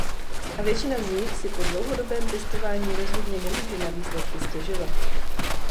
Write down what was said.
A většina z nich si po dlouhodobém testování rozhodně nemůže na výsledky stěžovat.